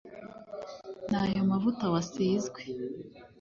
n’ayo mavuta wasizwe